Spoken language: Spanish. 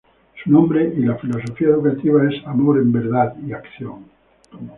Su nombre y la filosofía educativa es Amor en verdad y Acción.